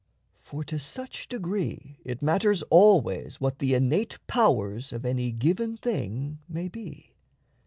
For to such degree It matters always what the innate powers Of any given thing may be.